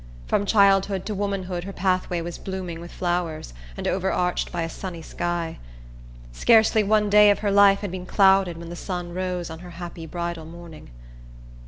From childhood to womanhood her pathway was blooming with flowers, and overarched by a sunny sky. Scarcely one day of her life had been clouded when the sun rose on her happy bridal morning.